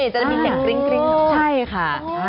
จะมีเสียงกลิ่ง